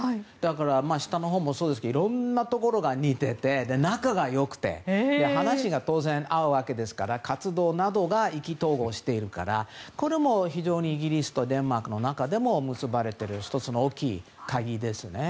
下のほうもそうですが色んなところが似ていて仲がよくて話が当然合うわけですから活動などが意気投合しているからこれも非常にイギリスとデンマークの中でも結ばれている１つの大きい鍵ですね。